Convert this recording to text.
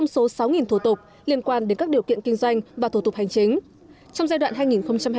trong số sáu thủ tục liên quan đến các điều kiện kinh doanh và thủ tục hành chính